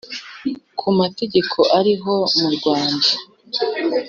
ku mategeko ariho mu Rwanda